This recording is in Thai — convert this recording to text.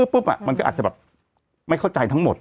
ปุ๊บมันก็อาจจะไม่เข้าใจทั้งหมด